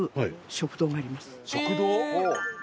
食堂？